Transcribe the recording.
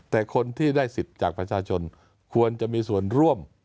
แต่คนที่ได้สิทธิ์จากประชาชนควรจะมีส่วนร่วม